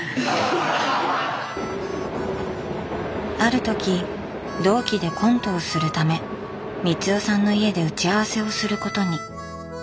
あるとき同期でコントをするため光代さんの家で打ち合わせをすることに。